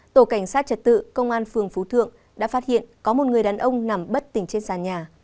tổ cảnh sát trật tự công an phường phú thượng đã phát hiện có một người đàn ông nằm bất tỉnh trên sàn nhà